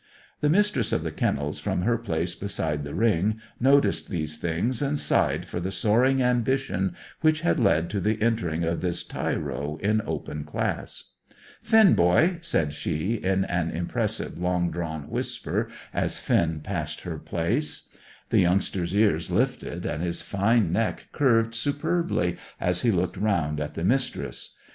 The Mistress of the Kennels, from her place beside the ring, noticed these things, and sighed for the soaring ambition which had led to the entering of this tyro in Open class. "Finn, boy!" said she, in an impressive, long drawn whisper, as Finn passed her place. The youngster's ears lifted, and his fine neck curved superbly as he looked round at the Mistress.